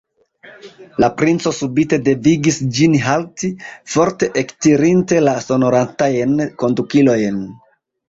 La princo subite devigis ĝin halti, forte ektirinte la sonorantajn kondukilojn.